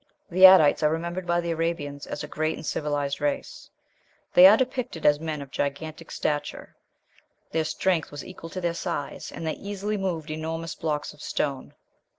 The Adites are remembered by the Arabians as a great and civilized race. "They are depicted as men of gigantic stature; their strength was equal to their size, and they easily moved enormous blocks of stone."